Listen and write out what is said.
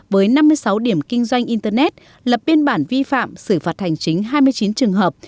với năm mươi sáu điểm kinh doanh internet lập biên bản vi phạm xử phạt hành chính hai mươi chín trường hợp